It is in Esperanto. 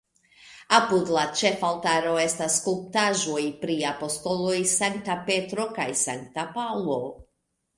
Apud la ĉefaltaro estas skulptaĵoj pri apostoloj Sankta Petro kaj Sankta Paŭlo.